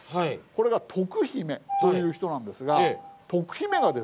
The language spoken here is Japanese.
これが徳姫という人なんですが徳姫がですね